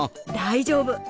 大丈夫。